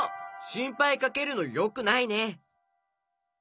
しんぱいかけるのよくないね。